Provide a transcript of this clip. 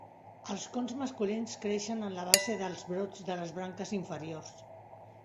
Els cons masculins creixen en la base dels brots de les branques inferiors.